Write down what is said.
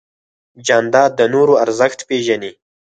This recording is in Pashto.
جانداد د نورو ارزښت پېژني.